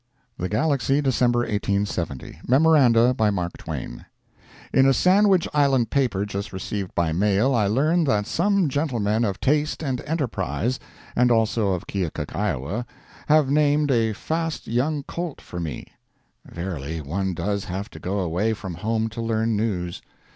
THE GALAXY, December 1870 MEMORANDA. BY MARK TWAIN. In a Sandwich Island paper just received by mail, I learn that some gentlemen of taste and enterprise, and also of Keokuk, Iowa, have named a fast young colt for me. Verily, one does have to go away from home to learn news.